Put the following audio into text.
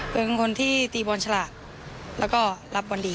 เป็นคนที่ตีบนฉลาดและก็รับบนดี